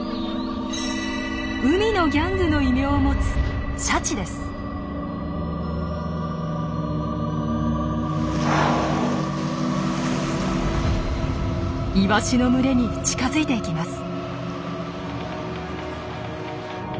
海のギャングの異名を持つイワシの群れに近づいていきます。